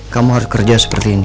kamu harus kerja seperti ini